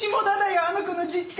あの子の実家。